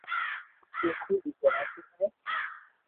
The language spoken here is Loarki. تلسي بي ڪراچي ھي